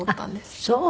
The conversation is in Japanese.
あっそう！